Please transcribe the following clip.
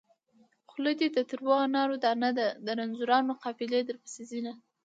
خوله دې د تريو انار دانه ده د رنځورانو قافلې درپسې ځينه